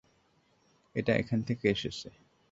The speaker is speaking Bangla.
এটা এখান থেকে এসেছে।